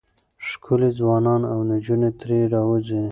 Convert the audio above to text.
ښکلي ځوانان او نجونې ترې راوځي.